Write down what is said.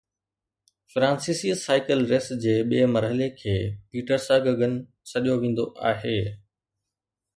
فرانسيسي cycle race جي ٻئي مرحلي کي پيٽرساگگن سڏيو ويندو آهي